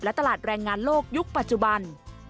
ตลาดแรงงานโลกยุคปัจจุบัน